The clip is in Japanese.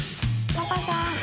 パパさん！